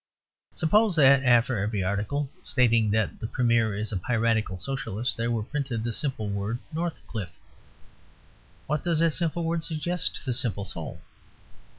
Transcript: Suppose that after every article stating that the Premier is a piratical Socialist there were printed the simple word "Northcliffe." What does that simple word suggest to the simple soul?